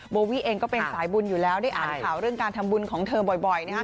โบวี่เองก็เป็นสายบุญอยู่แล้วได้อ่านข่าวเรื่องการทำบุญของเธอบ่อย